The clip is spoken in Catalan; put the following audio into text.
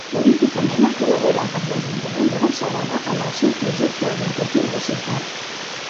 Políticament ha col·laborat amb l'ajuntament de Barcelona en el seu Projecte Educatiu de Ciutat.